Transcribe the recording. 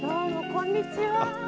こんにちは。